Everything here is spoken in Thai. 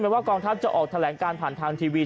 ว่ากองทัพจะออกแถลงการผ่านทางทีวี